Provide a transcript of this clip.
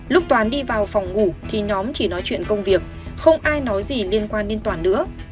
lúc toàn đi vào phòng ngủ thì nhóm chỉ nói chuyện công việc không ai nói gì liên quan đến toàn nữa